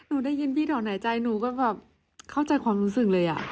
หนูได้ยินพี่แถวไหนใจหนูก็แบบเข้าใจความรู้สึกเลย